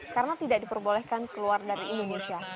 karena tidak diperbolehkan keluar dari indonesia